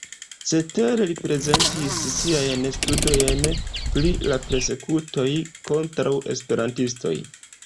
Cetere li prezentis siajn studojn pri la persekutoj kontraŭ esperantistoj.